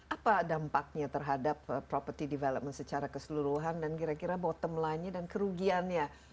apa dampaknya terhadap property development secara keseluruhan dan kira kira bottom line nya dan kerugiannya